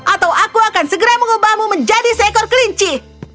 atau aku akan segera mengubahmu menjadi seekor kelinci